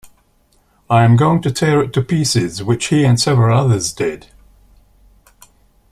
I am going to tear it to pieces.' Which he and several others did.